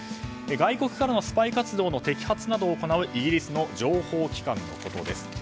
外国からのスパイ活動の摘発などを行うイギリスの情報機関のことです。